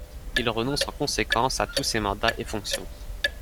Il renonce en conséquence à tous ces mandats et fonctions.